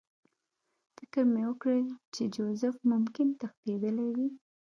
فکر مې وکړ چې جوزف ممکن تښتېدلی وي